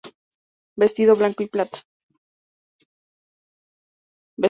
Vestido: Blanco y plata.